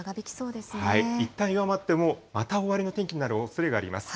いったん弱まっても、また大荒れの天気になるおそれがあります。